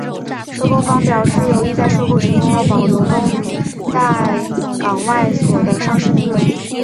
收购方表示有意在收购成功后保留东方海外在港交所的上市地位。